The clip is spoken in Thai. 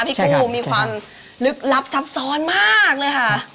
พี่กู้มีความลึกลับซับซ้อนมากเลยค่ะ